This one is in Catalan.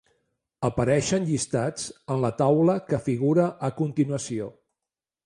Apareixen llistats en la taula que figura a continuació.